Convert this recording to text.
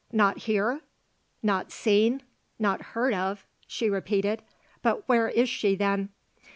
"Not here? Not seen? Not heard of?" she repeated. "But where is she then?"